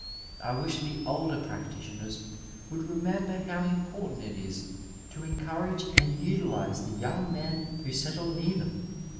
I wish the older practitioners would remember how im portant it is to encourage and utilize the young men who settle near them.